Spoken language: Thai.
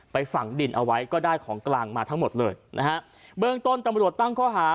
ฝังดินเอาไว้ก็ได้ของกลางมาทั้งหมดเลยนะฮะเบื้องต้นตำรวจตั้งข้อหา